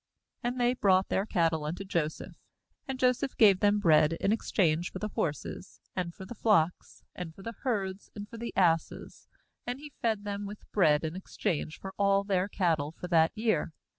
17And they brought their cattle unto Joseph. And Joseph gave them bread in ex change for the horses, and for the flocks, and for the herds, and for the asses; and he fed them with bread in exchange for all their cattle for that year.